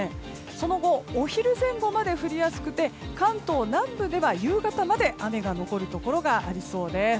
その後、お昼前後まで降りやすくて関東南部では夕方まで雨が残るところがありそうです。